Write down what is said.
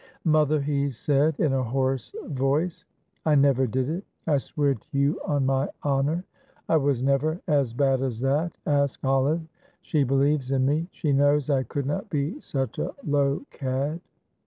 "Mother," he said, in a hoarse voice, "I never did it, I swear to you on my honour; I was never as bad as that; ask Olive, she believes in me, she knows I could not be such a low cad."